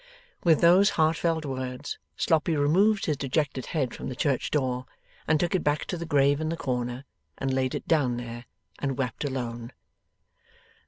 With those heartfelt words, Sloppy removed his dejected head from the church door, and took it back to the grave in the corner, and laid it down there, and wept alone.